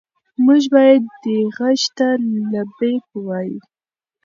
موږ باید دې غږ ته لبیک ووایو.